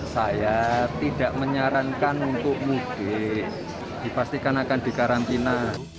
saya tidak menyarankan untuk mudik dipastikan akan dikarantina